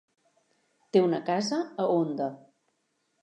Té una casa a Onda.